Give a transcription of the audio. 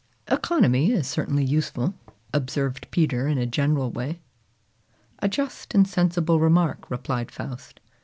"Economy is certainly useful," observed Peter in a general way. "A just and sensible remark," replied Faust.